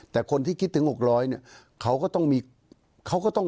แต่คนที่คิดถึง๖๐๐เนี่ย